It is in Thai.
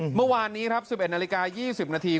เมื่อวานนี้ครับ๑๑นาฬิกา๒๐นาที